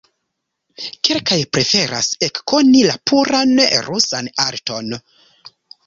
Kelkaj preferas ekkoni la puran rusan arton.